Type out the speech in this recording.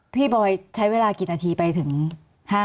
มีความรู้สึกว่ามีความรู้สึกว่า